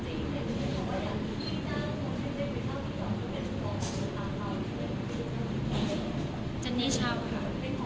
เจนนี่ชอบค่ะ